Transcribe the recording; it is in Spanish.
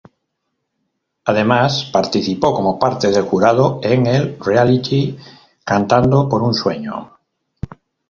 Además, participó como parte del jurado en el reality, "Cantando por un sueño".